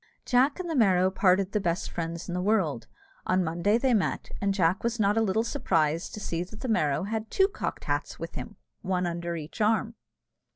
Jack and the Merrow parted the best friends in the world. On Monday they met, and Jack was not a little surprised to see that the Merrow had two cocked hats with him, one under each arm.